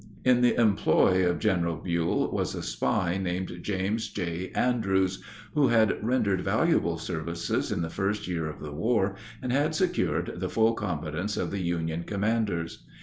In the employ of General Buell was a spy named James J. Andrews, who had rendered valuable services in the first year of the war, and had secured the full confidence of the Union commanders.